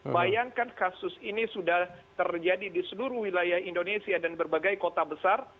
bayangkan kasus ini sudah terjadi di seluruh wilayah indonesia dan berbagai kota besar